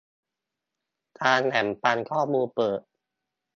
การแบ่งปันข้อมูลเปิด